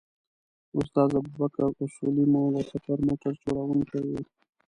استاد ابوبکر اصولي مو د سفر موټر چلوونکی و.